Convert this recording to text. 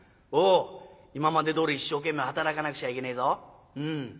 おお今までどおり一生懸命働かなくちゃいけねえぞ。